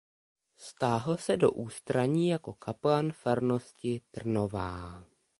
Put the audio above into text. Stáhl se do ústraní jako kaplan farnosti Trnová.